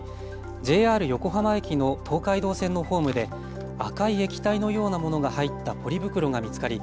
ＪＲ横浜駅の東海道線のホームで赤い液体のようなものが入ったポリ袋が見つかり